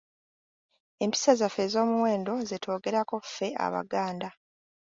Empisa zaffe ez’omuwendo ze twogerako ffe Abaganda.